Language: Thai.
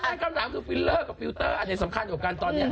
ข้อแรกข้างหลังคือฟิลเลอร์กับฟิลเตอร์อันนี้สำคัญอยู่กันตอนนี้